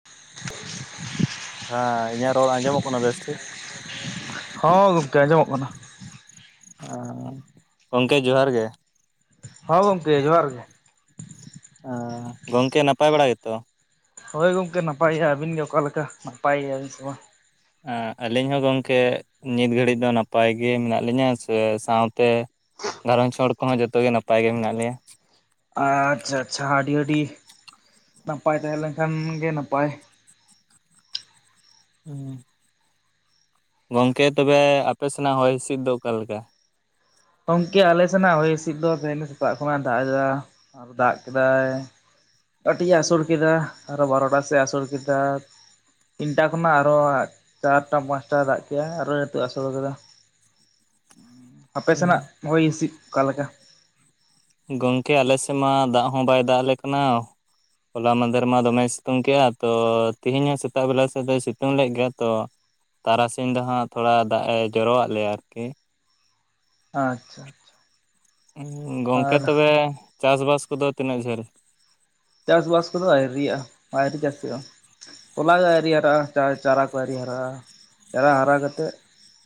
[inaudible] ᱦᱮᱸ ᱤᱧᱟᱹᱜ ᱨᱚᱲ ᱟᱸᱡᱚᱢᱚᱜ ᱠᱟᱱᱟ ᱵᱮᱥ ᱴᱷᱤᱠ ᱦᱚᱸ ᱜᱚᱢᱠᱮ ᱟᱸᱡᱚᱢᱚᱜ ᱠᱟᱱᱟ ᱟᱸ ᱜᱚᱢᱠᱮ ᱡᱚᱦᱟᱨ ᱜᱮ ᱦᱚᱸ ᱜᱚᱝᱠᱮ ᱡᱚᱦᱟᱨ ᱜᱮ ᱚᱸ ᱜᱚᱝᱠᱮ ᱱᱟᱯᱟᱭ ᱵᱟᱲᱟ ᱜᱮᱛᱚ ᱦᱳᱭ ᱜᱚᱢᱠᱮ ᱱᱟᱯᱟᱭ ᱜᱮᱼᱟ ᱟᱹᱵᱤᱱ ᱜᱮ ᱚᱠᱟ ᱞᱮᱠᱟ ᱱᱟᱯᱟᱭ ᱜᱮᱭᱟ ᱵᱤᱱ ᱥᱮ ᱵᱟᱝ ᱟᱹᱞᱤᱧ ᱦᱚᱸ ᱜᱚᱝᱠᱮ ᱱᱤᱛ ᱜᱷᱟᱹᱲᱤᱡ ᱫᱚ ᱱᱟᱯᱟᱭ ᱜᱮ ᱢᱮᱱᱟᱜ ᱞᱤᱧᱟᱹ ᱥᱮ ᱥᱟᱶᱛᱮ ᱜᱷᱟᱨᱚᱸᱧᱡᱽ ᱦᱚᱲ ᱠᱚᱦᱚᱸ ᱡᱚᱛᱚ ᱜᱮ ᱱᱟᱯᱟᱭ ᱜᱮ ᱢᱮᱱᱟᱜ ᱞᱮᱭᱟ ᱟᱪᱪᱷᱟ ᱟᱪᱪᱷᱟ ᱟᱹᱰᱤ ᱟᱹᱰᱤ ᱱᱟᱯᱟᱭ ᱛᱟᱦᱮᱸ ᱞᱮᱱ ᱠᱷᱟᱱ ᱜᱮ ᱱᱟᱯᱟᱭ ᱦᱩᱸ ᱜᱚᱝᱠᱮ ᱛᱚᱵᱮ ᱟᱯᱮ ᱥᱮᱱᱟᱜ ᱦᱚᱭ ᱦᱤᱥᱤᱫ ᱫᱚ ᱚᱠᱟᱞᱮᱠᱟ ᱜᱚᱝᱠᱮ ᱟᱞᱮ ᱥᱮᱱᱟᱜ ᱦᱚᱭ ᱦᱤᱥᱤᱫ ᱫᱚ ᱛᱮᱦᱮᱧ ᱫᱚ ᱥᱮᱛᱟᱜ ᱠᱷᱚᱱᱟᱜᱼᱮ ᱫᱟᱜ ᱮᱫᱟ ᱟᱨ ᱫᱟᱜ ᱠᱮᱫᱟᱭ ᱠᱟᱹᱴᱤᱡᱼᱮ ᱟᱹᱥᱩᱲ ᱠᱮᱫᱟ ᱟᱨᱚ ᱵᱟᱨᱚᱴᱟ ᱥᱮᱫ ᱟᱹᱥᱩᱲ ᱠᱮᱫᱟ ᱛᱤᱱᱴᱟ ᱠᱷᱚᱱᱟᱜ ᱟᱨᱚ ᱪᱟᱨᱴᱟ ᱯᱟᱸᱪᱴᱟ ᱫᱟᱜ ᱠᱮᱫᱼᱟ ᱟᱨᱚ ᱱᱤᱛᱚᱜ ᱟᱹᱥᱩᱞ ᱟᱠᱟᱫᱟ ᱟᱯᱮ ᱥᱮᱱᱟᱜ ᱦᱚᱭ ᱦᱤᱥᱤᱫ ᱚᱠᱟᱞᱮᱠᱟ ᱜᱚᱝᱠᱮ ᱟᱞᱮ ᱥᱮᱫ ᱢᱟ ᱫᱟᱜ ᱦᱚᱸ ᱵᱟᱭ ᱫᱟᱜ ᱟᱞᱮ ᱠᱟᱱᱟ ᱦᱚᱞᱟ ᱢᱟᱦᱫᱷᱮᱨ ᱢᱟ ᱟᱪᱪᱷᱟ ᱫᱚᱢᱮ ᱥᱤᱼ ᱼᱛᱩᱝ ᱠᱮᱜᱼᱟ ᱛᱚ ᱛᱮᱦᱤᱧ ᱦᱚᱸ ᱥᱮᱛᱟᱜ ᱵᱮᱞᱟ ᱥᱮᱫ ᱫᱚᱭ ᱥᱤᱛᱩᱝ ᱞᱮᱫ ᱜᱮᱭᱟ ᱛᱚ ᱛᱟᱨᱟᱥᱤᱧ ᱫᱚ ᱦᱟᱸᱜ ᱛᱷᱚᱲᱟ ᱫᱟᱜᱼᱮ ᱡᱚᱨᱚᱣᱟᱜ ᱞᱮᱭᱟ ᱟᱨᱠᱤ ᱟᱪᱪᱷᱟ ᱜᱚᱝᱠᱮ ᱟᱨ ᱛᱚᱵᱮ ᱪᱟᱥ ᱵᱟᱥ ᱠᱚᱫᱚ ᱛᱤᱱᱟᱹᱜ ᱡᱷᱟᱹᱞ ᱪᱟᱥ ᱟᱥ ᱠᱚᱫᱚ ᱟᱣᱨᱤᱭᱟᱜᱼᱟ [inaudible] ᱛᱚᱞᱟ ᱜᱮ ᱟᱣᱨᱤ ᱦᱟᱨᱟᱜᱼᱟ ᱪᱟᱨᱟ ᱠᱚ ᱟᱣᱨᱤ ᱦᱟᱨᱟᱜᱼᱟ ᱪᱟᱨᱟ ᱦᱟᱨᱟ ᱠᱟᱛᱮᱫ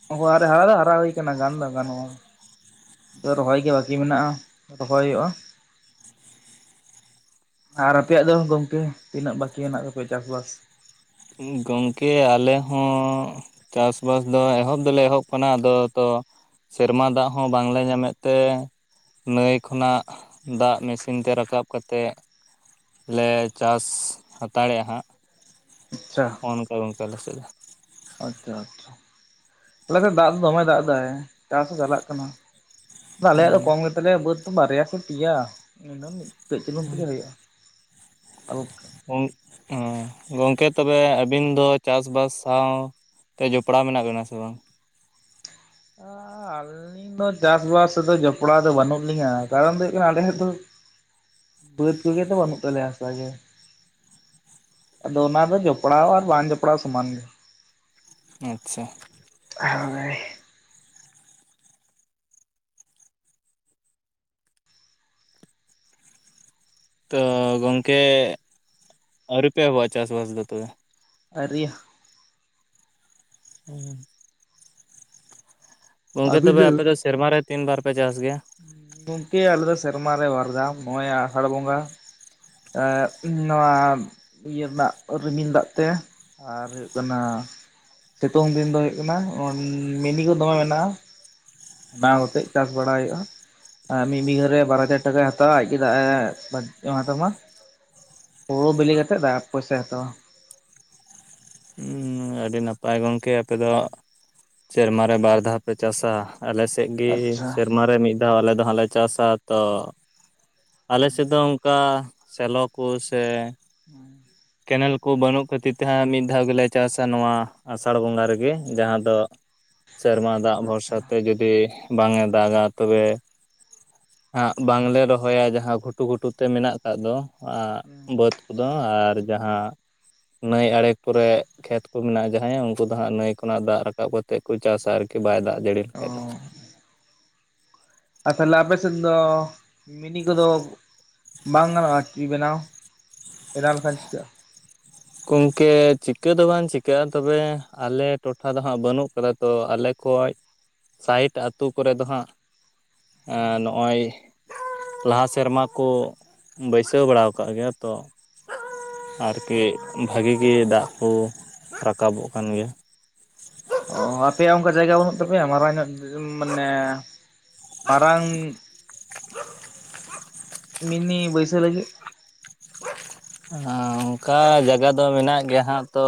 [unintelligible] ᱨᱮ ᱦᱟᱨᱟ ᱫᱚ ᱦᱟᱨᱟ ᱦᱩᱭ ᱠᱟᱱᱟ ᱜᱟᱱ ᱫᱚ ᱜᱟᱱᱚᱜᱼᱟ ᱛᱚ ᱨᱚᱦᱚᱭ ᱜᱮ ᱵᱟᱠᱤ ᱢᱮᱱᱟᱜᱼᱟ ᱨᱚᱦᱚᱭ ᱦᱩᱭᱩᱜᱼᱟ ᱟᱨ ᱟᱯᱮᱭᱟᱜ ᱫᱚ ᱜᱚᱝᱠᱮ ᱛᱤᱱᱟᱹᱜ ᱵᱟᱠᱤ ᱦᱮᱱᱟᱜ ᱛᱟᱯᱮ ᱪᱟᱥᱵᱟᱥ ᱜᱚᱝᱠᱮ ᱟᱞᱮ ᱦᱚᱸ ᱪᱟᱥᱵᱟᱥ ᱫᱚ ᱮᱦᱚᱵ ᱫᱚᱞᱮ ᱮᱦᱚᱵ ᱟᱠᱟᱱᱟ ᱟᱫᱚ ᱛᱚ ᱥᱮᱨᱢᱟ ᱫᱟᱜ ᱦᱚᱸ ᱵᱟᱝᱞᱮ ᱧᱟᱢᱮᱫ ᱛᱮ ᱱᱟᱹᱭ ᱠᱷᱚᱱᱟᱜ ᱫᱟᱜ ᱢᱮᱥᱤᱱ ᱛᱮ ᱨᱟᱠᱟᱵ ᱠᱟᱛᱮᱫ ᱞᱮ ᱪᱟᱥ ᱦᱟᱛᱟᱲᱮᱜᱼᱟ ᱦᱟᱸᱜ [unintelligible] [unintelligible] ᱱᱚᱠᱟ ᱜᱚᱝᱠᱮ ᱟᱞᱮ ᱥᱮᱫ ᱫᱚ ᱟᱪᱪᱷᱟ ᱟᱪᱪᱷᱟ [unintelligible] ᱫᱟᱜ ᱫᱚ ᱫᱚᱢᱮ ᱫᱟᱜ ᱮᱫᱟᱭ ᱪᱟᱥ ᱦᱚᱸ ᱪᱟᱞᱟᱜ ᱠᱟᱱᱟ᱾ ᱟᱞᱮᱭᱟᱜ ᱫᱚ ᱠᱚᱢ ᱜᱮᱛᱟᱞᱮᱭ ᱵᱟᱹᱫᱽ ᱠᱚ ᱵᱟᱨᱭᱟ ᱥᱮ ᱯᱤᱭᱟ ᱦᱟᱞᱠᱟ [unintelligible] ᱦᱚᱸ ᱜᱚᱝᱠᱮ ᱛᱚᱵᱮ ᱟᱹᱵᱤᱱ ᱫᱚ ᱪᱟᱥ ᱵᱟᱥ ᱥᱟᱶ [unintelligible] ᱡᱚᱯᱲᱟᱣ ᱢᱮᱱᱟᱜ ᱵᱮᱱᱟ ᱥᱮ ᱵᱟᱝ [unintelligible] [unintelligible] ᱪᱟᱥ ᱵᱟᱥ ᱨᱮᱫᱚ ᱡᱚᱯᱲᱟᱣ ᱫᱚ ᱵᱟᱹᱱᱩᱜ ᱞᱤᱧᱟᱹ ᱠᱟᱨᱚᱱ ᱫᱚ ᱦᱩᱭᱩᱜ ᱠᱟᱱᱟ ᱟᱞᱮ ᱢᱤᱫ ᱴᱟᱝ, ᱵᱟᱹᱫᱽ ᱠᱚᱜᱮ ᱛᱚ ᱵᱟᱹᱱᱩᱜ ᱛᱟᱞᱮᱭᱟ ᱦᱟᱥᱟ ᱜᱮ ᱟᱫᱚ ᱚᱱᱟ ᱫᱚ ᱡᱚᱯᱲᱟᱣ ᱟᱨ ᱵᱟᱝ ᱡᱚᱯᱲᱟᱣ ᱥᱚᱢᱟᱱ ᱜᱮ ᱟᱪᱪᱷᱟ [unintelligible] ᱦᱳᱭ ᱛᱚ ᱜᱚᱝᱠᱮ ᱟᱹᱣᱨᱤ ᱯᱮ ᱮᱦᱚᱵᱚᱜᱼᱟ ᱪᱟᱥᱵᱟᱥ ᱫᱚ ᱛᱚᱵᱮ? ᱟᱹᱨᱤᱭᱟᱹ [unintelligible] ᱜᱚᱝᱠᱮ ᱛᱚᱵᱮ ᱟᱯᱮ ᱫᱚ ᱥᱮᱨᱢᱟ ᱨᱮ ᱛᱤᱱ ᱵᱟᱨ ᱯᱮ ᱪᱟᱥ ᱜᱮᱭᱟ? ᱜᱚᱝᱠᱮ ᱟᱞᱮ ᱫᱚ ᱥᱮᱨᱢᱟ ᱨᱮ ᱵᱟᱨᱫᱟᱢ ᱱᱚᱜᱼᱚᱭ ᱟᱥᱟᱲ ᱵᱚᱸᱜᱟ ᱮᱸᱜ ᱱᱚᱣᱟ ᱤᱭᱟᱹ ᱨᱮᱱᱟᱜ ᱨᱤᱢᱤᱞ ᱫᱟᱜ ᱛᱮ, ᱟᱨ ᱦᱩᱭᱩᱜ ᱠᱟᱱᱟ ᱥᱤᱛᱚᱝ ᱫᱤᱱ ᱫᱚ ᱦᱩᱭᱩᱜ ᱠᱟᱱᱟ ᱚᱸ ᱢᱤᱱᱤ ᱠᱩ ᱫᱚᱢᱮ ᱢᱮᱱᱟᱜᱼᱟ᱾ ᱚᱱᱟᱣ ᱠᱟᱛᱮᱜ ᱪᱟᱥ ᱵᱟᱲᱟ ᱦᱩᱭᱩᱜᱼᱟ ᱢᱤᱫ ᱵᱤᱜᱷᱟᱹ ᱨᱮ ᱵᱟᱨ ᱦᱟᱡᱟᱨ ᱴᱟᱠᱟᱭ ᱦᱟᱛᱟᱣᱟ ᱟᱡ ᱜᱮ ᱫᱟᱜ ᱮ [unintelligible] ᱮᱢᱟᱜ ᱛᱟᱢᱟ ᱦᱩᱲᱳ ᱵᱤᱞᱤ ᱠᱟᱛᱮᱜ ᱫᱟ ᱯᱚᱭᱥᱟᱭ ᱦᱟᱛᱟᱣᱟ ᱦᱩᱸ ᱟᱹᱰᱤ ᱱᱟᱯᱟᱭ ᱜᱚᱝᱠᱮ ᱟᱯᱮ ᱫᱚ ᱥᱮᱨᱢᱟ ᱨᱮ ᱵᱟᱨ ᱫᱷᱟᱣ ᱯᱮ ᱪᱟᱥᱟ ᱟᱞᱮ ᱥᱮᱜ ᱜᱮ ᱟᱪᱪᱷᱟ᱾ ᱥᱮᱨᱢᱟ ᱨᱮ ᱢᱤᱫ ᱫᱷᱟᱣ ᱟᱞᱮ ᱫᱚ ᱦᱟᱸᱜ ᱞᱮ ᱪᱟᱥᱟ ᱛᱚ ᱟᱞᱮ ᱥᱮᱜ ᱦᱩᱸ ᱫᱚ ᱚᱝᱠᱟ ᱥᱮᱞᱚ ᱠᱚ ᱥᱮ ᱮᱸ [unintelligible] ᱠᱮᱱᱮᱞ ᱠᱩ ᱵᱟᱹᱱᱩᱜ ᱠᱷᱟᱹᱛᱤᱨ ᱛᱮ ᱦᱟᱸᱜ ᱢᱤᱫ ᱫᱷᱟᱣ ᱜᱮᱞᱮ, ᱪᱟᱥᱟ ᱱᱚᱣᱟ ᱟᱥᱟᱲ ᱵᱚᱸᱜᱟ ᱨᱮᱜᱮ ᱡᱟᱦᱟᱸ ᱫᱚ ᱥᱮᱨᱢᱟ ᱫᱟᱜ ᱟᱪᱪᱷᱟ ᱵᱷᱚᱨᱥᱟ ᱛᱮ ᱡᱩᱫᱤ ᱵᱟᱝ ᱮ ᱫᱟᱜᱟ ᱛᱚᱵᱮ ᱦᱟᱸᱜ ᱵᱟᱝᱞᱮ ᱨᱚᱦᱚᱭᱟ ᱡᱟᱦᱟᱸ ᱜᱷᱩᱴᱩ ᱜᱷᱩᱴᱩ ᱛᱮ ᱢᱮᱱᱟᱜ ᱟᱠᱟᱫ ᱫᱚ, ᱟᱼᱜ ᱦᱩᱸ ᱵᱟᱹᱫᱽ ᱠᱩᱫᱩ ᱟᱨ ᱡᱟᱦᱟᱸ ᱱᱟᱹᱭ ᱟᱲᱮ ᱠᱚᱨᱮᱜ ᱠᱷᱮᱛ ᱠᱩ ᱢᱮᱱᱟᱜᱼᱟ ᱡᱟᱦᱟᱸᱭᱟᱜ ᱩᱝᱠᱩ ᱫᱚ ᱦᱟᱸᱜ ᱱᱟᱹᱭ ᱠᱷᱚᱱᱟᱜ ᱫᱟᱜ ᱨᱟᱠᱟᱵ ᱠᱟᱛᱮᱜ ᱠᱩ ᱪᱟᱥᱟ ᱟᱨᱠᱤ ᱵᱟᱭ ᱫᱟᱜ ᱡᱟᱹᱲᱤ ᱞᱮᱠᱷᱟᱜ ᱫᱚ ᱚ ᱛᱟᱦᱚᱞᱮ ᱟᱯᱮ ᱥᱮᱫ ᱫᱚ ᱢᱤᱱᱤ ᱠᱩᱫᱚ ᱵᱟᱝ ᱜᱟᱱᱚᱜᱼᱟ ᱠᱤ ᱵᱮᱱᱟᱣ ᱵᱮᱱᱟᱣ ᱞᱮᱠᱷᱟᱡ ᱪᱮᱠᱟᱹᱜᱼᱟ? ᱜᱚᱝᱠᱮ ᱪᱤᱠᱟᱹ ᱫᱚ ᱵᱟᱝ ᱪᱤᱠᱟᱹᱜᱼᱟ ᱛᱚᱵᱮ ᱟᱞᱮ ᱴᱚᱴᱷᱟ ᱫᱚ ᱦᱟᱸᱜ ᱵᱟᱹᱱᱩᱜ ᱠᱟᱫᱟ ᱛᱚ ᱟᱞᱮ [unintelligible] ᱥᱟᱭᱤᱴ ᱟᱹᱛᱩ ᱠᱚᱨᱮ ᱫᱚ ᱦᱟᱸᱜ ᱮᱸ ᱱᱚᱜᱼᱚᱭ ᱞᱟᱦᱟ ᱥᱮᱨᱢᱟ ᱠᱚ ᱵᱟᱹᱭᱥᱟᱹᱣ ᱵᱟᱲᱟᱣ ᱠᱟᱜ ᱜᱮᱭᱟ ᱛᱚ ᱟᱨᱠᱤ ᱵᱷᱟᱜᱤ ᱜᱮ ᱫᱟᱜ ᱠᱩ ᱨᱟᱠᱟᱵᱚᱜ ᱠᱟᱱ ᱜᱮᱭᱟ ᱚ ᱟᱯᱮᱭᱟᱜ ᱚᱝᱠᱟ ᱡᱟᱭᱜᱟ ᱵᱟᱹᱱᱩᱜ ᱛᱟᱯᱮᱭᱟ ᱢᱟᱨᱟᱝ ᱧᱚᱜ ᱡᱚ ᱢᱟᱱᱮ ᱢᱟᱨᱟᱝ ᱢᱤᱱᱤ ᱵᱟᱹᱭᱥᱟᱹᱣ ᱞᱟᱹᱜᱤᱫ [unintelligible] ᱚᱝᱠᱟ ᱡᱟᱜᱟ ᱫᱚ ᱢᱮᱱᱟᱜ ᱜᱮᱭᱟ ᱦᱟᱸᱜ ᱛᱚ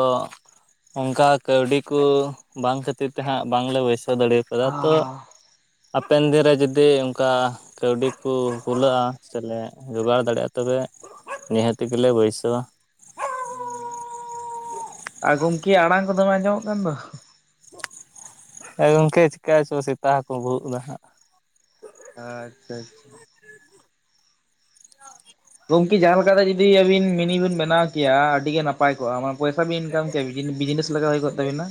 ᱚᱝᱠᱟ ᱠᱟᱹᱣᱰᱤ ᱠᱩ ᱵᱟᱝ ᱠᱷᱟᱹᱛᱤᱨ ᱛᱮ ᱦᱟᱸᱜ ᱵᱟᱝᱞᱮ ᱵᱟᱹᱭᱥᱟᱹᱣ ᱫᱟᱹᱲᱤᱣ [unintelligible] [unintelligible] ᱦᱟᱯᱮᱱ ᱫᱤᱱ ᱨᱮ ᱡᱩᱫᱤ ᱚᱝᱠᱟ ᱠᱟᱹᱣᱰᱤ ᱠᱚ ᱠᱩᱞᱟᱹᱜᱼᱟ ᱥᱮᱞᱮ ᱡᱚᱜᱟᱲ ᱫᱟᱲᱮᱜᱼᱟ ᱛᱚᱵᱮ ᱱᱤᱦᱟᱹᱛᱤ ᱜᱮᱞᱮ ᱵᱟᱹᱭᱥᱟᱹᱣᱟ᱾ ᱜᱚᱝᱠᱮ ᱟᱲᱟᱝ ᱠᱚ ᱫᱚᱢᱮ ᱟᱸᱡᱚᱢᱚᱜ ᱠᱟᱱ ᱫᱚ? ᱮ ᱜᱚᱝᱠᱮ ᱪᱮᱠᱟᱪᱚ ᱥᱮᱛᱟ ᱦᱚᱠᱩ ᱵᱷᱩᱜ ᱫᱟ ᱦᱟᱸᱜ ᱟᱪᱷᱟ ᱟᱪᱷᱟ [unintelligible] ᱜᱚᱝᱠᱮ ᱡᱟᱦᱟᱸ ᱞᱮᱠᱟᱛᱮ ᱡᱩᱫᱤ ᱟᱹᱵᱤᱱ ᱢᱤᱱᱤ ᱵᱤᱱ ᱵᱮᱱᱟᱣ ᱠᱮᱭᱟ ᱟᱹᱰᱤ ᱜᱮ ᱱᱟᱯ ᱱᱟᱯᱟᱭ ᱠᱚᱜᱼᱟ ᱟᱢ ᱯᱚᱭᱥᱟ ᱵᱤᱱ ᱤᱱᱠᱟᱢ ᱠᱮᱜᱼᱟ ᱵᱤᱡᱽᱱᱤ ᱵᱤᱡᱽᱱᱤᱥ ᱞᱟᱜᱟᱣ ᱦᱩᱭ ᱠᱚᱜ ᱛᱟᱵᱤᱱᱟ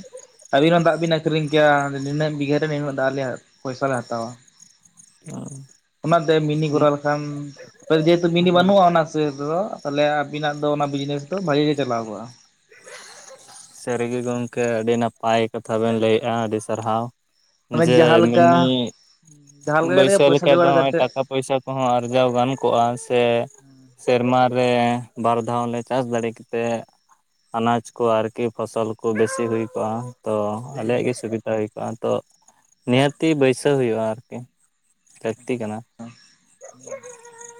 ᱟᱹᱵᱤᱱ ᱦᱚᱸ ᱫᱟᱜ ᱵᱤᱱ ᱟᱹᱠᱷᱨᱤᱧ ᱤᱭᱟᱹᱜ ᱱᱤᱱᱟᱹᱜ ᱵᱤᱜᱷᱟᱹ ᱨᱮ ᱱᱤᱱᱟᱹᱜ ᱫᱟᱜ ᱟᱞᱮᱭᱟᱜ ᱯᱚᱭᱥᱟ ᱞᱮ ᱦᱟᱛᱟᱣᱟ ᱦᱟᱸᱜ ᱚᱱᱟᱛᱮ ᱢᱤᱱᱤ ᱠᱚᱨᱟᱣ ᱞᱮᱠᱷᱟᱱ ᱡᱮᱦᱮᱛᱩ ᱢᱤᱱᱤ ᱵᱟᱹᱱᱩᱜᱼᱟ ᱚᱱᱟ ᱥᱮᱫᱚ ᱛᱟᱦᱚᱞᱮ ᱟᱵᱤᱱᱟᱜ ᱫᱚ ᱚᱱᱟ ᱵᱤᱡᱽᱱᱮᱥ ᱫᱚ ᱵᱷᱟᱜᱤ ᱜᱮ ᱪᱟᱞᱟᱣ ᱠᱚᱜᱼᱟ [unintelligible] ᱥᱟᱹᱨᱤᱜᱮ ᱜᱚᱢᱠᱮ ᱟᱹᱰᱤ ᱱᱟᱯᱟᱭ ᱠᱟᱛᱷᱟ ᱵᱮᱱ ᱞᱟᱹᱭᱮᱜᱼᱟ ᱟᱹᱰᱤ ᱥᱟᱨᱦᱟᱣ ᱢᱟᱱᱮ ᱡᱮ ᱡᱟᱦᱟᱸ ᱞᱮᱠᱟ ᱢᱤᱱᱤ ᱡᱟᱦᱟᱸ ᱞᱮᱠᱟ ᱠᱟᱛᱮ ᱜᱮ ᱵᱟᱹᱭᱥᱟᱹᱣ ᱯᱚᱭᱥᱟ ᱞᱮᱠᱷᱟᱡ ᱫᱚ ᱡᱚᱜᱟᱲ ᱱᱚᱸᱜᱼᱚᱭ ᱠᱟᱛᱮᱫ ᱴᱟᱠᱟ ᱯᱚᱭᱥᱟ ᱠᱚᱦᱚᱸ ᱟᱨᱡᱟᱣ ᱜᱟᱱ ᱠᱚᱜᱼᱟ ᱥᱮ ᱥᱮᱨᱢᱟ ᱨᱮ ᱵᱟᱨ ᱫᱷᱟᱣ ᱞᱮ ᱪᱟᱥ ᱫᱟᱲᱮ ᱠᱮᱛᱮᱫ ᱟᱱᱟᱡ ᱠᱚ ᱟᱨᱠᱤ ᱯᱷᱚᱥᱚᱞ ᱠᱚ ᱵᱮᱥᱤ ᱦᱩᱭ ᱠᱚᱜᱼᱟ ᱛᱚ ᱦᱩᱸ ᱟᱞᱮᱭᱟᱜ ᱜᱮ ᱥᱩᱵᱤᱛᱟ ᱦᱩᱭ ᱠᱚᱜᱼᱟ ᱛᱚ ᱱᱤᱦᱟᱹᱛᱤ ᱵᱟᱹᱭᱥᱟᱹᱣ ᱦᱩᱭᱩᱜᱼᱟ ᱟᱨᱠᱤ ᱞᱟᱹᱠᱛᱤ ᱟᱪᱪᱷᱟ ᱠᱟᱱᱟ ᱟᱪᱪᱷᱟ [unintelligible]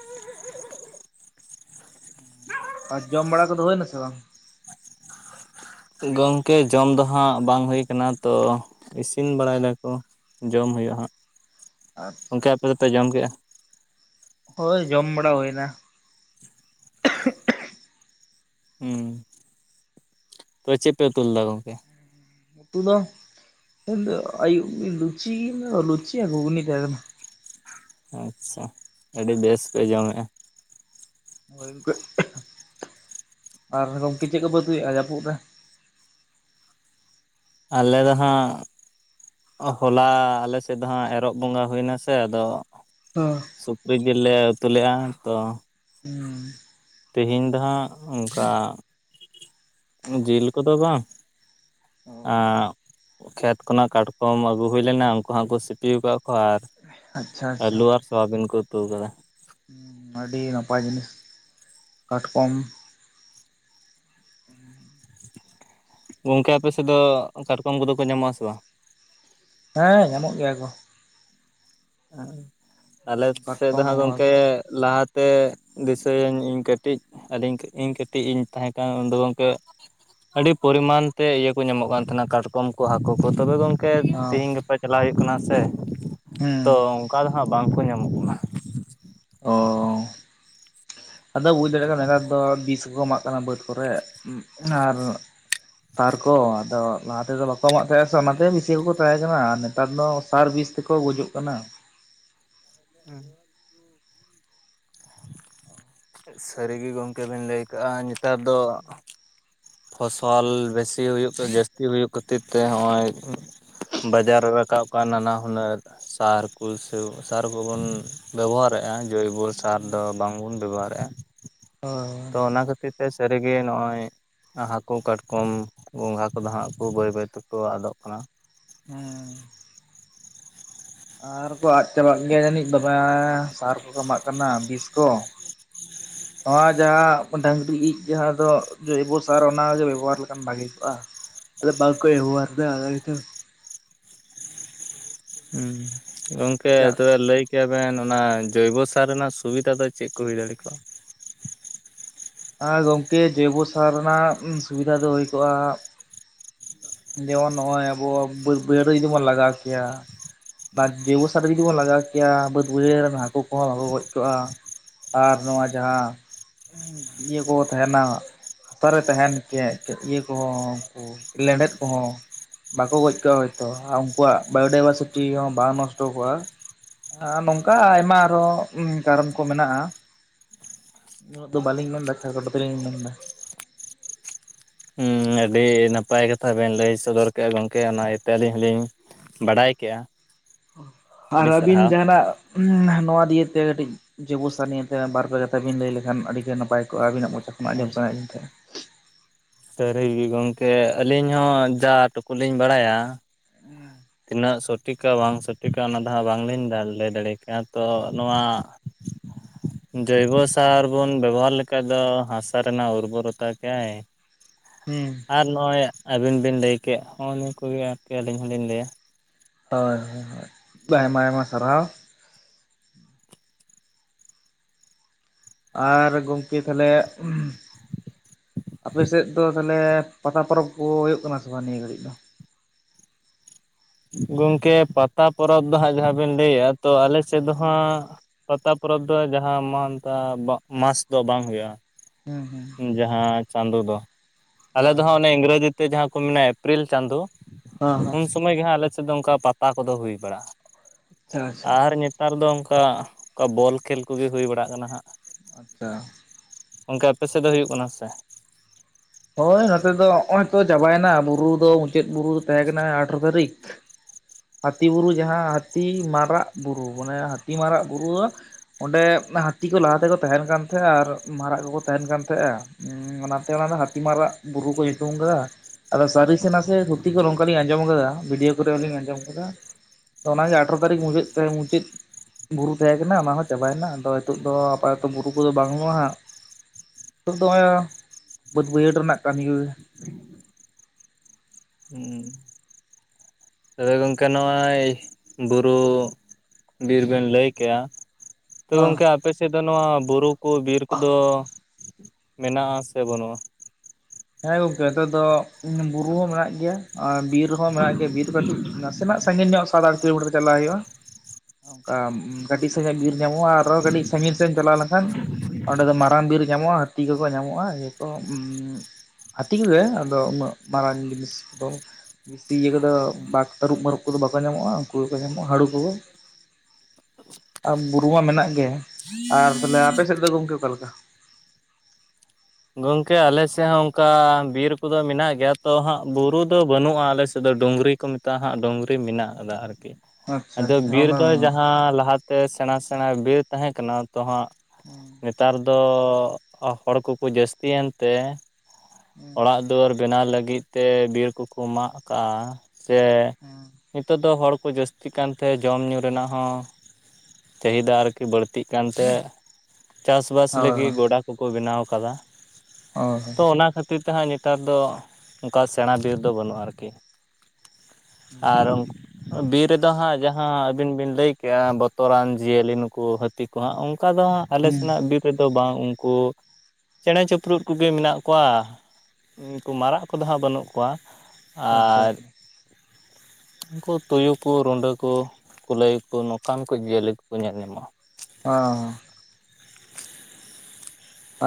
[unintelligible] ᱟᱨ ᱡᱚᱢ ᱵᱟᱲᱟ ᱠᱩᱫᱩ ᱦᱩᱭᱱᱟ ᱥᱮ ᱵᱟᱝ ᱜᱚᱢᱠᱮ ᱡᱚᱢ ᱫᱚ ᱦᱟᱸᱜ ᱵᱟᱝ ᱦᱩᱭ ᱠᱟᱱᱟ ᱛᱚ ᱤᱥᱤᱱ ᱵᱟᱲᱟᱭ ᱫᱟᱠᱚ ᱡᱚᱢ ᱦᱩᱭᱩᱜᱼᱟ ᱦᱟᱸᱜ ᱟᱪᱪᱷᱟ ᱜᱚᱝᱠᱮ ᱟᱯᱮ ᱟᱪᱪᱷᱟ ᱫᱚᱯᱮ ᱡᱚᱢ ᱠᱮᱫᱼᱟ ᱦᱳᱭ ᱡᱚᱢ ᱵᱟᱲᱟ ᱦᱩᱭᱱᱟ ᱦᱩᱸ ᱛᱚᱵᱮ ᱪᱮᱫ ᱯᱮ ᱩᱛᱩ ᱞᱮᱫᱟ ᱜᱚᱢᱠᱮ ᱩᱛᱩ ᱫᱚ ᱟᱹᱭᱩᱵ ᱞᱩᱪᱤ ᱞᱩᱪᱤ ᱜᱩᱜᱱᱤ ᱛᱟᱦᱮᱸ ᱠᱟᱱᱟ ᱟᱪᱪᱷᱟ ᱟᱹᱰᱤ ᱵᱮᱥ ᱯᱮ ᱡᱚᱢ ᱮᱼᱟ ᱦᱳᱭ ᱜᱚᱝᱠᱮ ᱟᱨ ᱜᱚᱝᱠᱮ ᱪᱮᱫ ᱠᱚᱯᱚ ᱩᱛᱩᱮᱫᱼᱟ ᱡᱟᱹᱯᱩᱫ ᱨᱮ ᱟᱞᱮ ᱫᱚ ᱦᱟᱸᱜ ᱦᱚᱞᱟ ᱟᱞᱮᱥᱮᱫ ᱫᱚ ᱦᱟᱜ ᱮᱨᱚᱜ ᱵᱚᱸᱜᱟ ᱦᱩᱭᱮᱱᱟ ᱥᱮ ᱟᱫᱚ ᱚᱸ ᱥᱩᱠᱨᱤ ᱡᱤᱞ ᱞᱮ ᱩᱛᱩ ᱞᱮᱫᱼᱟ ᱛᱚ ᱩᱸ ᱛᱮᱦᱮᱧ ᱫᱚ ᱦᱟᱜ ᱚᱱᱠᱟ ᱡᱤᱞ ᱠᱚᱫᱚ ᱵᱟᱝ ᱚ ᱟ ᱠᱷᱮᱛ ᱠᱷᱚᱱᱟᱜ ᱠᱟᱴᱠᱚᱢ ᱟᱹᱜᱩ ᱦᱩᱭ ᱞᱮᱱᱟ ᱩᱱᱠᱩ ᱦᱚᱸ ᱠᱚ ᱥᱤ ᱥᱤᱯᱤ ᱟᱠᱟᱫ ᱠᱚᱣᱟ ᱟᱨ ᱟᱪᱪᱷᱟ ᱟᱪᱪᱷᱟ ᱟᱹᱞᱩ ᱟᱨ ᱥᱚᱣᱟᱵᱤᱱ ᱠᱚ ᱩᱛᱩ ᱟᱠᱟᱫᱟ ᱟᱹᱰᱤ ᱱᱟᱯᱟᱭ ᱡᱤᱱᱤᱥ ᱠᱟᱴᱠᱚᱢ ᱜᱚᱝᱠᱮ ᱟᱯᱮ ᱥᱮᱫ ᱫᱚ ᱠᱟᱴᱠᱚᱢ ᱠᱚᱫᱚ ᱠᱚ ᱧᱟᱢᱚᱜ ᱟᱥᱮ ᱵᱟᱝ ᱦᱮᱸ ᱧᱟᱢᱚᱜ ᱜᱮᱭᱟ ᱠᱚ ᱟᱞᱮ ᱥᱮᱫ ᱫᱚ ᱠᱟᱴᱠᱚᱢ ᱦᱟᱸᱜ ᱜᱚᱸᱜᱷᱟ ᱜᱚᱢᱠᱮ ᱠᱚ ᱞᱟᱦᱟᱛᱮ ᱫᱤᱥᱟᱹᱭᱟᱹᱧ ᱤᱧ ᱠᱟᱹᱴᱤᱡ ᱟᱹᱫᱚᱧ ᱤᱧ ᱠᱟᱹᱴᱤᱡ ᱤᱧ ᱛᱟᱦᱮᱸᱱ ᱩᱱᱫᱚ ᱜᱚᱢᱠᱮ ᱟᱹᱰᱤ ᱯᱚᱨᱤᱢᱟᱱ ᱛᱮ ᱤᱭᱟᱹ ᱠᱚ ᱧᱟᱢᱚᱜ ᱠᱟᱱ ᱛᱟᱦᱮᱱᱟ ᱠᱟᱴᱠᱚᱢ ᱠᱚ ᱦᱟᱹᱠᱩ ᱠᱚ ᱛᱚᱵᱮ ᱜᱚᱢᱠᱮ ᱠᱮ ᱚ ᱛᱤᱦᱮᱧ ᱜᱟᱯᱟ ᱪᱟᱞᱟᱣ ᱦᱩᱭᱩᱜ ᱠᱟᱱᱟ ᱥᱮ ᱦᱩᱸ ᱛᱚ ᱚᱱᱠᱟ ᱫᱚ ᱦᱟᱜ ᱵᱟᱝᱠᱚ ᱧᱟᱢᱚᱜ ᱠᱟᱱᱟ ᱚᱻᱚᱻ ᱟᱫᱚ ᱵᱩᱡᱽ ᱫᱟᱲᱮᱭᱟᱜ ᱠᱟᱱᱟ ᱱᱮᱛᱟᱨ ᱫᱚ ᱵᱤᱥ ᱠᱚᱠᱚ ᱮᱢᱟᱜ ᱠᱟᱱᱟ ᱵᱟᱹᱫ ᱠᱚᱨᱮ ᱟᱨ ᱥᱟᱨ ᱠᱚ ᱟᱫᱚ ᱞᱟᱦᱟ ᱛᱮᱫᱚ ᱵᱟᱠᱚ ᱮᱢᱟᱜ ᱛᱟᱦᱮᱸ ᱥᱮ ᱚᱱᱟᱛᱮ ᱵᱤᱥᱤ ᱠᱚᱠᱚ ᱛᱟᱦᱮᱸ ᱠᱟᱱᱟ ᱟᱨ ᱱᱮᱛᱟᱨ ᱫᱚ ᱥᱟᱨ ᱵᱤᱥ ᱛᱮᱠᱚ ᱜᱩᱡᱩᱜ ᱠᱟᱱᱟ ᱦᱩᱸ ᱥᱟᱹᱨᱤᱜᱮ ᱜᱚᱝᱠᱮ ᱵᱤᱱ ᱞᱟᱹᱭ ᱠᱟᱜᱼᱟ ᱱᱮᱛᱟᱨ ᱫᱚ ᱯᱷᱚᱥᱚᱞ ᱵᱮᱥᱤ ᱦᱩᱭᱩᱜ ᱡᱟᱹᱥᱛᱤ ᱦᱩᱭᱩᱜ ᱠᱷᱟᱹᱛᱤᱨ ᱛᱮ ᱱᱚᱜᱼᱚᱭ ᱵᱟᱡᱟᱨ ᱨᱮ ᱨᱟᱠᱟᱵ ᱠᱟᱱ ᱱᱟᱱᱟᱦᱩᱱᱟᱹᱨ ᱥᱟᱨ ᱠᱚ ᱥᱮ ᱥᱟᱨ ᱠᱚᱵᱚᱱ ᱵᱮᱵᱚᱦᱟᱨᱮᱫᱼᱟ ᱡᱳᱭᱵᱚ ᱥᱟᱨ ᱫᱚ ᱵᱟᱝᱵᱚᱱ ᱵᱮᱵᱚᱦᱟᱨᱮᱫᱼᱟ ᱦᱳᱭ ᱛᱚ ᱚᱱᱟ ᱠᱷᱟᱹᱛᱤᱨ ᱛᱮ ᱥᱟᱹᱨᱤᱜᱮ ᱱᱚᱜ-ᱚᱭ ᱦᱟᱹᱠᱩ ᱠᱟᱴᱠᱚᱢ ᱜᱚᱸᱜᱷᱟ ᱠᱚᱫᱚ ᱦᱟᱸᱜ ᱠᱚ ᱵᱟᱹᱭ ᱵᱟᱹᱭ ᱛᱮᱠᱚ ᱟᱫᱚᱜ ᱠᱟᱱᱟ ᱦᱩᱸᱻ ᱟᱨ ᱠᱚ ᱟᱫ ᱪᱟᱵᱟᱜ ᱜᱮ ᱡᱟᱹᱱᱤᱡ ᱵᱟᱵᱟ ᱥᱟᱨ ᱠᱚ ᱮᱢᱟᱜ ᱠᱟᱱᱟ ᱵᱤᱥ ᱠᱚ ᱱᱚᱣᱟ ᱡᱟᱦᱟᱸ ᱰᱟᱝᱨᱤ ᱤᱡ ᱡᱟᱦᱟᱸ ᱫᱚ ᱡᱚᱭᱵᱚ ᱥᱟᱨ ᱚᱱᱟᱜᱮ ᱵᱮᱵᱚᱦᱟᱨ ᱞᱮᱠᱷᱟᱱ ᱵᱷᱟᱜᱤ ᱠᱚᱜ-ᱟ ᱟᱫᱚ ᱵᱟᱠᱚ ᱵᱮᱵᱚᱦᱟᱨ ᱮᱫᱟ ᱚᱱᱟ ᱜᱮᱛᱚ ᱦᱩᱸ ᱜᱚᱝᱠᱮ ᱡᱟᱜ ᱛᱚᱵᱮ ᱞᱟᱹᱭ ᱠᱮᱭᱟᱵᱤᱱ ᱚᱱᱟ ᱡᱚᱭᱵᱚᱥᱟᱨ ᱨᱮᱱᱟᱜ ᱥᱩᱵᱤᱫᱟ ᱫᱚ ᱪᱮᱫ ᱠᱚ ᱦᱩᱭ ᱫᱟᱲᱮ ᱠᱚᱜ-ᱟ ᱟᱨ ᱜᱚᱝᱠᱮ ᱡᱚᱭᱵᱚ ᱥᱟᱨ ᱨᱮᱱᱟᱜ ᱥᱩᱵᱤᱫᱷᱟ ᱫᱚ ᱦᱩᱭ ᱠᱚᱜ-ᱟ ᱡᱮᱢᱚᱱ ᱱᱚᱜ ᱚᱭ ᱟᱵᱚ ᱵᱟᱹᱫᱽ ᱵᱟᱹᱭᱟᱦᱟᱹᱲ ᱡᱩᱫᱤᱵᱚᱱ ᱞᱟᱜᱟᱣ ᱠᱮᱭᱟ ᱵᱟ ᱡᱚᱭᱵᱚ ᱥᱟᱨ ᱡᱩᱫᱤ ᱵᱚᱱ ᱞᱟᱜᱟᱣ ᱠᱮᱭᱟ ᱵᱟᱹᱫᱽ ᱵᱟᱹᱭᱦᱟᱹᱲ ᱨᱤᱱ ᱦᱟᱹᱠᱩ ᱠᱚᱦᱚᱸ ᱵᱟᱠᱚ ᱜᱚᱡᱽ ᱠᱚᱜ-ᱟ ᱟᱨ ᱱᱚᱣᱟ ᱡᱟᱦᱟᱸ ᱤᱭᱟᱹ ᱠᱚ ᱛᱟᱦᱮᱱᱟ ᱦᱟᱛᱟᱨᱮ ᱛᱟᱦᱮᱱ ᱠᱮᱫ ᱤᱭᱟᱹ ᱠᱚᱦᱚᱸ ᱩᱱ ᱞᱮᱸᱰᱮᱫ ᱠᱚᱦᱚᱸ ᱵᱟᱠᱚ ᱜᱚᱡᱽ ᱠᱚᱜ-ᱟ ᱦᱚᱭᱛᱚ ᱩᱱᱠᱩᱣᱟᱜ ᱵᱟᱭᱳᱰᱟᱭᱵᱷᱟᱨᱥᱤᱴᱤ ᱦᱚᱸ ᱵᱟᱝ ᱱᱚᱥᱴᱚ ᱠᱚᱜ-ᱟ ᱟ ᱱᱚᱝᱠᱟ ᱟᱭᱢᱟ ᱟᱨᱚ ᱠᱟᱨᱚᱱ ᱠᱚ ᱢᱮᱱᱟᱜ-ᱟ ᱩᱱᱟᱹᱜ ᱫᱚ ᱵᱟᱹᱞᱤᱧ ᱢᱮᱱ ᱮᱫᱟ ᱠᱷᱟᱴᱳ ᱛᱮᱞᱤᱧ ᱢᱮᱱ ᱮᱫᱟ ᱦᱩᱸ ᱟᱹᱰᱤ ᱱᱟᱯᱟᱭ ᱠᱟᱛᱷᱟ ᱵᱮᱱ ᱞᱟᱹᱭ ᱥᱚᱫᱚᱨ ᱠᱮᱫᱮᱜ-ᱟ ᱜᱚᱢᱠᱮ ᱚᱱᱟ ᱤᱭᱟᱹᱛᱮ ᱟᱹᱞᱤᱧ ᱦᱚᱸᱞᱤᱧ ᱵᱟᱰᱟᱭ ᱠᱮᱜ-ᱟ ᱟᱨ ᱟᱹᱵᱤᱱ ᱡᱟᱦᱟᱱᱟᱜ ᱱᱚᱣᱟ ᱫᱤᱭᱮᱛᱮ ᱠᱟᱹᱴᱤᱡ ᱡᱚᱭᱵᱳ ᱥᱟᱨ ᱱᱤᱭᱮᱛᱮ ᱵᱟᱨ ᱯᱮ ᱠᱟᱛᱷᱟ ᱵᱤᱱ ᱞᱟᱹᱭ ᱞᱮᱠᱷᱟᱱ ᱟᱹᱰᱤ ᱜᱮ ᱱᱟᱯᱟᱭ ᱠᱚᱜ ᱟᱹᱵᱤᱱᱟᱜ ᱢᱚᱪᱟ ᱠᱷᱚᱱ ᱟᱸᱡᱚᱢ ᱥᱟᱱᱟᱭᱮᱫ ᱞᱤᱧ ᱛᱟᱦᱮᱸᱱᱟ ᱥᱟᱹᱨᱤ ᱜᱮ ᱜᱚᱢᱠᱮ ᱟᱹᱞᱤᱧ ᱦᱚᱸ ᱡᱟ ᱴᱩᱠᱩ ᱞᱤᱧ ᱵᱟᱰᱟᱭᱟ ᱛᱤᱱᱟᱹᱜ ᱥᱚᱴᱷᱤᱠᱟ ᱵᱟᱝ ᱥᱚᱴᱷᱤᱠᱟ ᱚᱱᱟ ᱫᱚ ᱦᱟᱸᱜ ᱵᱟᱝᱞᱤᱧ ᱞᱟᱹᱭ ᱫᱟᱲᱮ ᱠᱮᱜ-ᱟ ᱛᱚ ᱱᱚᱣᱟ ᱦ ᱡᱚᱭᱵᱚ ᱥᱟᱨ ᱵᱚᱱ ᱵᱮᱵᱚᱦᱟᱨ ᱞᱮᱠᱷᱟᱡ ᱫᱚ ᱦᱟᱥᱟ ᱨᱮᱱᱟᱜ ᱩᱨᱵᱚᱠᱚᱨᱥᱚ ᱜᱮᱭᱟ [inaudible] ᱦᱮᱸ ᱟᱨ ᱱᱚᱜ-ᱚᱭ ᱟᱹᱵᱤᱱ ᱵᱤᱱ ᱞᱟᱹᱭ ᱠᱮᱫ ᱦᱚᱜ-ᱚᱭ ᱱᱤᱭᱟᱹ ᱠᱚᱜᱮ ᱟᱨᱠᱤ ᱟᱹᱞᱤᱧ ᱦᱚᱞᱤᱧ ᱞᱟᱹᱭᱟ ᱦᱚᱭ ᱟᱭᱢᱟ ᱟᱭᱢᱟ ᱥᱟᱨᱦᱟᱣ ᱟᱨ ᱜᱚᱝᱠᱮ ᱛᱟᱦᱞᱮ ᱟᱯᱮᱥᱮᱫ ᱫᱚ ᱛᱟᱦᱚᱞᱮ ᱯᱟᱛᱟ ᱯᱚᱨᱚᱵᱽ ᱠᱚ ᱦᱩᱭᱩᱜ ᱠᱟᱱᱟ ᱥᱮ ᱵᱟᱝ ᱱᱤᱭᱟᱹ ᱜᱷᱟᱹᱲᱤᱡ ᱫᱚ ᱜᱚᱢᱠᱮ ᱯᱟᱛᱟ ᱯᱚᱨᱚᱵᱽ ᱫᱚ ᱦᱟᱸᱜ ᱡᱟᱦᱟᱸ ᱵᱤᱱ ᱞᱟᱹᱭᱮᱜ ᱛᱚ ᱟᱞᱮ ᱥᱮᱫ ᱫᱚ ᱦᱩᱸ ᱦᱟᱸᱜ ᱯᱟᱛᱟ ᱯᱚᱨᱚᱵᱽ ᱫᱚ ᱡᱟᱦᱟᱸ ᱢᱟᱱ ᱢᱟᱥ ᱫᱚ ᱵᱟᱝ ᱦᱩᱭᱩᱜ-ᱟ᱾ ᱦᱩᱸ ᱦᱩᱸ ᱡᱟᱦᱟᱸ ᱪᱟᱸᱫᱚ ᱫᱚ ᱟᱞᱮ ᱦᱳᱭ ᱫᱚ ᱦᱟᱸᱜ ᱚᱱᱮ ᱤᱝᱨᱮᱡᱤ ᱛᱮ ᱡᱟᱦᱟᱸ ᱠᱚ ᱢᱮᱱᱟ ᱮᱯᱨᱤᱞ ᱪᱟᱸᱫᱚ ᱦᱮᱸ ᱦᱮᱸ ᱥᱚᱢᱚᱭ ᱜᱮ ᱦᱟᱜ ᱟᱞᱮ ᱥᱮᱫ ᱫᱚ ᱚᱱᱠᱟ ᱯᱟᱛᱟ ᱠᱚᱫᱚ ᱦᱩᱭ ᱵᱟᱲᱟᱜ-ᱟ ᱟᱪᱪᱷᱟ ᱟᱪᱪᱷᱟ ᱟᱨ ᱱᱤᱛ ᱱᱮᱛᱟᱨ ᱫᱚ ᱚᱱᱠᱟ ᱚᱠᱟ ᱵᱚᱞ ᱠᱷᱮᱞ ᱠᱚᱜᱮ ᱦᱩᱭ ᱵᱟᱲᱟᱜ ᱠᱟᱱᱟ ᱦᱟᱸᱜ ᱟᱪᱪᱷᱟ ᱚᱱᱠᱟ ᱟᱯᱮ ᱥᱮᱫ ᱫᱚ ᱦᱩᱭᱩᱜ ᱠᱟᱱᱟ ᱥᱮ ᱦᱚᱭ ᱱᱚᱛᱮ ᱫᱚ ᱱᱚᱜ ᱚᱭ ᱛᱚ ᱪᱟᱵᱟᱭᱮᱱᱟ ᱵᱩᱨᱩ ᱫᱚ ᱢᱩᱪᱟᱹᱫ ᱵᱩᱨᱩ ᱛᱟᱦᱮᱸ ᱠᱟᱱᱟ ᱟᱴᱷᱨᱚ ᱛᱟᱹᱨᱤᱠᱷ ᱦᱟᱹᱛᱤ ᱵᱩᱨᱩ ᱡᱟᱦᱟᱸ ᱦᱟᱹᱛᱤ ᱢᱟᱨᱟᱜ ᱵᱩᱨᱩ ᱢᱟᱱᱮ ᱦᱟᱹᱛᱤ ᱢᱟᱨᱟᱜ ᱵᱩᱨᱩ ᱫᱚ ᱚᱸᱰᱮ ᱦᱟᱹᱛᱤᱠᱩ ᱞᱟᱦᱟ ᱛᱮᱠᱚ ᱛᱟᱦᱮᱱ ᱠᱟᱱ ᱛᱟᱦᱮᱸᱜ-ᱟ ᱟᱨ ᱢᱟᱨᱟᱜ ᱠᱚᱠᱚ ᱛᱟᱦᱮᱱ ᱠᱟᱱ ᱛᱟᱦᱮᱸᱜ-ᱟ ᱦᱮ ᱚᱱᱟᱛᱮ ᱚᱱᱟ ᱫᱚ ᱦᱟᱹᱛᱤ ᱢᱟᱨᱟᱜ ᱵᱩᱨᱩ ᱠᱚ ᱧᱩᱛᱩᱢ ᱟᱠᱟᱫᱟ ᱟᱫᱚ ᱥᱟᱹᱨᱤ ᱥᱮ ᱱᱟᱥᱮ ᱫᱷᱩᱛᱤ ᱠᱚ ᱱᱚᱝᱠᱟᱞᱤᱧ ᱟᱸᱡᱚᱢ ᱟᱠᱟᱫᱟ ᱵᱷᱤᱰᱭᱳ ᱠᱚᱨᱮ ᱞᱤᱧ ᱟᱸᱡᱚᱢ ᱟᱠᱟᱫᱟ ᱛᱚ ᱚᱱᱟᱜᱮ ᱟᱴᱷᱨᱚ ᱛᱟᱹᱨᱤᱠᱷ ᱢᱩᱪᱟᱹᱫ ᱛᱮ ᱢᱩᱪᱟᱹᱫ ᱵᱩᱨᱩ ᱛᱟᱦᱮᱸ ᱠᱟᱱᱟ ᱚᱱᱟ ᱦᱚᱸ ᱪᱟᱵᱟᱭᱮᱱᱟ ᱟᱫᱚ ᱱᱤᱛᱚᱜ ᱫᱚ ᱟᱯᱟ ᱚᱛᱚ ᱵᱩᱨᱩ ᱠᱚᱫᱚ ᱵᱟᱝ ᱦᱩᱭᱩᱜ-ᱟ ᱦᱟᱜ ᱱᱤᱛᱚᱜ ᱫᱚᱻ ᱵᱟᱹᱫᱽ ᱵᱟᱹᱭᱦᱟᱹᱲ ᱨᱮᱱᱟᱜ ᱠᱟᱹᱢᱤ ᱠᱚᱜᱮ ᱦᱩᱸ ᱛᱚᱵᱮ ᱜᱚᱢᱠᱮ ᱱᱚᱜ-ᱚᱭ ᱵᱩᱨᱩ ᱵᱤᱨ ᱵᱮᱱ ᱞᱟᱹᱭ ᱠᱮᱜ-ᱟ ᱛᱚ ᱚ ᱜᱚᱝᱠᱮ ᱟᱯᱮᱥᱮᱫ ᱫᱚ ᱱᱚᱣᱟ ᱵᱩᱨᱩ ᱠᱚ ᱵᱤᱨ ᱠᱚᱫᱚ ᱢᱮᱱᱟᱜ-ᱟ ᱥᱮ ᱵᱟᱹᱱᱩᱜ-ᱟ ᱦᱮᱸ ᱜᱚᱝᱠᱮ ᱱᱮᱛᱚᱜ ᱫᱚ ᱵᱩᱨᱩ ᱦᱚᱸ ᱢᱮᱱᱟᱜ ᱜᱮᱭᱟ ᱟᱨ ᱵᱤᱨ ᱦᱚᱸ ᱢᱮᱱᱟᱜ ᱜᱮᱭᱟ ᱵᱤᱨ ᱠᱟᱹᱴᱤᱡ ᱱᱟᱥᱮᱱᱟᱜ ᱥᱟᱺᱜᱤᱧ ᱧᱚᱜ ᱥᱟᱛ ᱟᱴ ᱠᱤᱞᱚ ᱢᱤᱴᱟᱨ ᱪᱟᱞᱟᱜ ᱦᱩᱭᱩᱜᱼᱟ ᱚᱱᱠᱟ ᱠᱟᱹᱴᱤᱡ ᱥᱟᱹᱦᱤᱡ ᱵᱤᱨ ᱧᱟᱢᱚᱜᱼᱟ ᱟᱨᱦᱚᱸ ᱠᱟᱹᱴᱤᱡ ᱥᱟᱺᱜᱤᱧ ᱥᱮᱫ ᱮᱢ ᱪᱟᱞᱟᱣ ᱞᱮᱱᱠᱷᱟᱱ ᱚᱸᱰᱮ ᱫᱚ ᱢᱟᱨᱟᱝ ᱵᱤᱨ ᱧᱟᱢᱚᱜᱼᱟ ᱦᱟᱹᱛᱤ ᱠᱚᱠᱚ ᱧᱟᱢᱚᱜᱼᱟ ᱡᱮᱦᱮᱛᱩ ᱦᱟᱹᱛᱤ ᱠᱚᱜᱮ ᱟᱫᱚ ᱩᱱᱟᱹᱜ ᱢᱟᱨᱟᱝ ᱡᱤᱱᱤᱥ ᱫᱚ ᱵᱤᱥᱤ ᱤᱭᱟᱹ ᱠᱚᱫᱚ ᱵᱟᱜᱽ ᱛᱟᱹᱨᱩᱵ ᱢᱟᱹᱨᱩᱵ ᱠᱚᱫᱚ ᱵᱟᱠᱚ ᱧᱟᱢᱚᱜ-ᱟ ᱩᱱᱠᱩ ᱜᱮᱠᱚ ᱧᱟᱢᱚᱜ-ᱟ ᱦᱟᱹᱲᱩ ᱠᱚᱫᱚ ᱵᱩᱨᱩ ᱢᱟ ᱢᱮᱱᱟᱜ ᱜᱮ ᱟᱨ ᱛᱟᱦᱚᱞᱮ ᱟᱯᱮᱥᱮᱫ ᱫᱚ ᱜᱚᱝᱠᱮ ᱚᱠᱟ ᱞᱮᱠᱟ ᱜᱚᱢᱠᱮ ᱟᱞᱮ ᱥᱮᱫ ᱦᱚᱸ ᱚᱱᱠᱟ ᱵᱤᱨ ᱠᱚᱫᱚ ᱢᱮᱱᱟᱜ ᱜᱮᱭᱟ ᱛᱚ ᱦᱟᱸᱜ ᱵᱩᱨᱩ ᱫᱚ ᱵᱟᱹᱱᱩᱜ-ᱟ ᱟᱞᱮ ᱥᱮᱫ ᱫᱚ ᱰᱩᱝᱨᱤ ᱠᱚ ᱢᱮᱛᱟᱜ-ᱟ ᱦᱟᱸᱜ ᱰᱩᱝᱨᱤ ᱢᱮᱱᱟᱜ ᱠᱟᱫᱟ ᱟᱨᱠᱤ ᱟᱪᱪᱷᱟ ᱟᱫᱚ ᱟᱪᱪᱷᱟ ᱵᱤᱨ ᱚᱱᱟ ᱫᱚ ᱦᱚᱸ ᱡᱟᱦᱟᱸ ᱞᱟᱦᱟ ᱛᱮ ᱥᱮᱬᱟ ᱥᱮᱬᱟ ᱵᱤᱨ ᱛᱟᱦᱮᱸ ᱠᱟᱱᱟ ᱛᱚ ᱦᱟᱸᱜ ᱱᱮᱛᱟᱨ ᱫᱚ ᱦᱚᱲ ᱠᱚᱠᱚ ᱡᱟᱹᱥᱛᱤᱭᱮᱱ ᱛᱮ ᱦᱳᱭ ᱚᱲᱟᱜ ᱫᱩᱣᱟᱹᱨ ᱵᱮᱱᱟᱣ ᱞᱟᱹᱜᱤᱫ ᱛᱮ ᱵᱤᱨ ᱠᱚᱠᱚ ᱢᱟᱜ ᱠᱟᱜ-ᱟ ᱥᱮ ᱱᱤᱛᱚᱜ ᱫᱚ ᱦᱚᱲ ᱠᱚ ᱡᱟᱹᱥᱛᱤᱜ ᱠᱟᱱ ᱛᱮ ᱡᱚᱢ ᱧᱩ ᱨᱮᱱᱟᱜ ᱦᱚᱸ ᱪᱟᱹᱟᱦᱤᱫᱟ ᱟᱨᱠᱤ ᱵᱟᱹᱲᱛᱤᱜ ᱠᱟᱱᱛᱮ ᱪᱟᱥ ᱵᱟᱥ ᱦᱳᱭ ᱦᱳᱭ ᱞᱟᱹᱜᱤᱫ ᱜᱚᱰᱟ ᱠᱚᱠᱚ ᱵᱮᱱᱟᱣ ᱟᱠᱟᱫᱟ ᱦᱳᱭ ᱛᱚ ᱚᱱᱟ ᱠᱷᱟᱹᱛᱤᱨ ᱛᱮᱦᱟᱸᱜ ᱱᱮᱛᱟᱨ ᱫᱚ ᱚᱱᱠᱟ ᱥᱮᱬᱟ ᱵᱤᱨ ᱫᱚ ᱵᱟᱹᱱᱩᱜᱼᱟ ᱟᱨᱠᱤ ᱦᱩᱸ ᱟᱨ ᱵᱤᱨ ᱨᱮᱫᱚ ᱦᱟᱸᱜ ᱡᱟᱦᱟᱸ ᱟᱹᱵᱤᱱ ᱵᱤᱱ ᱞᱟᱹᱭ ᱠᱮᱜ-ᱟ ᱵᱚᱛᱚᱨᱟᱱ ᱡᱤᱭᱟᱹᱞᱤ ᱱᱩᱠᱩ ᱦᱟᱹ ᱦᱟᱹᱛᱤ ᱠᱚ ᱦᱟᱸᱜ ᱚᱱᱠᱟ ᱫᱚ ᱦᱟᱸᱜ ᱟᱞᱮ ᱥᱮᱱᱟᱜ ᱟᱪᱪᱷᱟ ᱵᱤᱨ ᱨᱮᱫᱚ ᱵᱟᱝ ᱩᱱᱠᱩ ᱪᱮᱬᱮ ᱪᱤᱯᱨᱩᱫ ᱠᱚᱜᱮ ᱢᱮᱱᱟᱜ ᱠᱚᱣᱟ ᱩᱱᱠᱩ ᱢᱟᱨᱟᱜ ᱠᱚᱫᱚ ᱦᱟᱸᱜ ᱵᱟᱹᱱᱩᱜ ᱠᱚᱣᱟ ᱟᱨ ᱟᱪᱪᱷᱟ ᱩᱱᱠᱩ ᱛᱩᱭᱩ ᱠᱚ ᱨᱩᱰᱟᱹ ᱠᱚ ᱠᱩᱞᱟᱹᱭ ᱠᱚ ᱱᱚᱝᱠᱟᱱᱠᱩ ᱡᱤᱭᱟᱹᱞᱤ ᱠᱚᱠᱚ ᱧᱮᱞ ᱧᱟᱢᱚᱜ-ᱟ᱾ ᱦᱚᱸ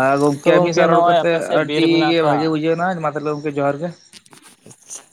ᱟᱨ ᱛᱚ ᱜᱚᱝᱠᱮ‌ ᱟᱹᱵᱤᱱ ᱜᱚᱝᱠᱮ ᱥᱟᱶ ᱨᱚᱲ ᱱᱚᱜᱼᱚᱭ ᱟᱯᱮ ᱠᱟᱛᱮᱫ ᱥᱮᱫ ᱵᱤᱨ ᱟᱹᱰᱤ ᱢᱮᱱᱟᱜ ᱜᱮ ᱟᱠᱟᱜ ᱵᱷᱟᱜᱮ ᱵᱩᱡᱷᱟᱹᱣ ᱮᱱᱟ ᱢᱟ ᱛᱟᱦᱚᱞᱮ ᱜᱚᱢᱠᱮ ᱡᱚᱦᱟᱨ ᱜᱮ [unintelligible]